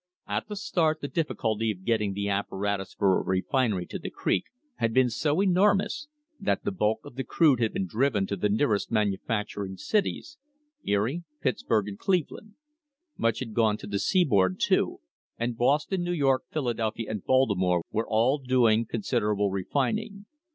At the start the difficulty of getting the apparatus for a refinery to the creek had been so enormous that the bulk of the crude had been driven to the nearest manufacturing cities — Erie, Pittsburgh Cleveland. Much had gone to the seaboard, too, and Boston, New York, Philadelphia and Baltimore were.£V/ all doing considerable refining.